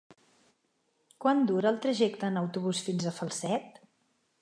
Quant dura el trajecte en autobús fins a Falset?